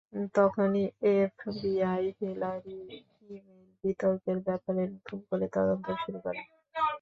তখনই এফবিআই হিলারির ই-মেইল বিতর্কের ব্যাপারে নতুন করে তদন্ত শুরু করে।